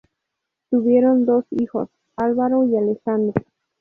Tuvieron dos hijos: Álvaro y Alejandro.